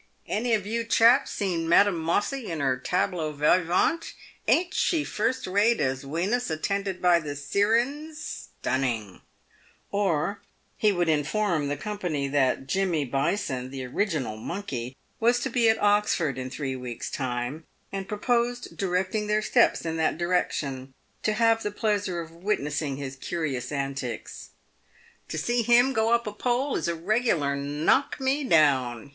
"Any of you chaps seen Madame Mossi in her tablow vyevant ? Ain't she first rate as Wenus attended by the syrins — stunning !" Or he would inform the company that Jimmy Byson, "the original monkey," was to be at Oxford in three weeks' time, and proposed directing their steps in that direction to have the pleasure of witnessing his curious antics. " To see him go up a pole is a regular knock me down